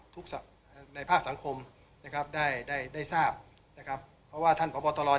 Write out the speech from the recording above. ในภาคสังคมนะครับได้ได้ทราบนะครับเพราะว่าท่านพบตร